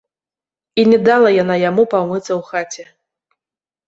І не дала яна яму памыцца ў хаце.